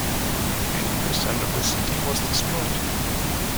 Eighty percent of the city was destroyed.